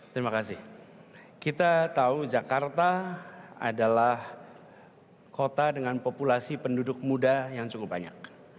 terima kasih kita tahu jakarta adalah kota dengan populasi penduduk muda yang cukup banyak